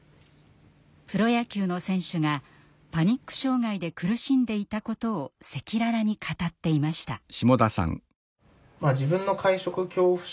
プロ野球の選手がパニック障害で苦しんでいたことを赤裸々に語っていました。